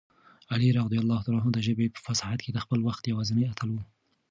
علي رض د ژبې په فصاحت کې د خپل وخت یوازینی اتل و.